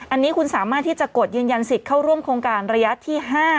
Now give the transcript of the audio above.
อันนี้คุณสามารถที่จะกดยืนยันสิทธิ์เข้าร่วมโครงการระยะที่๕